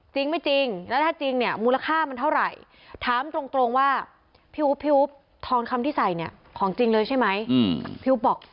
จริงไม่จริงแล้วถ้าจริงเนี่ย